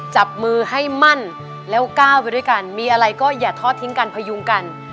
จับมือให้มั่นแล้วก้าวไปด้วยกันมีอะไรก็อย่าทอดทิ้งกันพยุงกัน